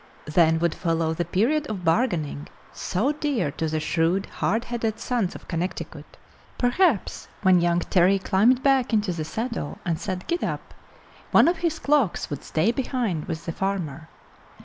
Then would follow the period of bargaining, so dear to the shrewd, hard headed sons of Connecticut. Perhaps when young Terry climbed back into the saddle and said "Gid dap," one of his clocks would stay behind with the farmer.